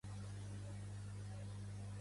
Pertany al moviment independentista la Bibiana?